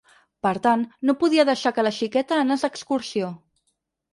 Per tant, no podia deixar que la xiqueta anàs d’excursió.